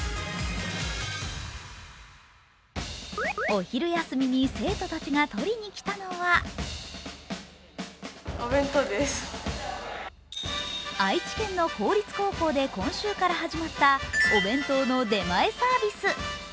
お昼休みに生徒たちが取りに来たのは愛知県の公立高校で今週から始まったお弁当の出前サービス。